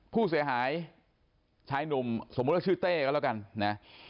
ผู้เสียหายชายหนุ่มสมมุติว่าชื่อเต้ก็แล้วกันนะ